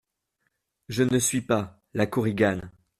Je ne suis pas …? LA KORIGANE.